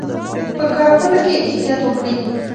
په کارولو کې یې احتیاط وکړي.